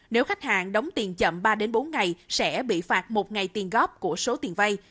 nếu khách hàng đóng tiền chậm ba bốn ngày sẽ bị phạt một ngày tiền góp của số tiền vay